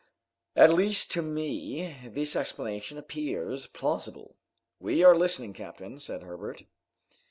At least to me this explanation appears plausible." "We are listening, captain," said Herbert.